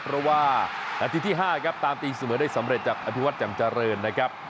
เพราะว่านาทีที่๕ครับตามตีเสมอได้สำเร็จจากอภิวัตรจำเจริญนะครับ